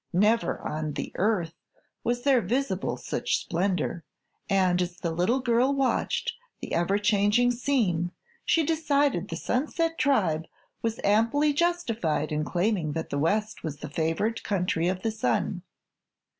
Never on the Earth was there visible such splendor, and as the little girl watched the ever changing scene she decided the Sunset Tribe was amply justified in claiming that the West was the favored country of the sun.